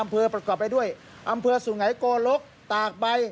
อำเภอประกอบไปด้วยอำเภอสุไงโกลกตากใบ